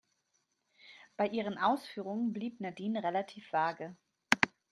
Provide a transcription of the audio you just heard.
Bei ihren Ausführungen blieb Nadine relativ vage.